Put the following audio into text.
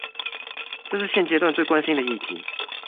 這是現階段最關心的議題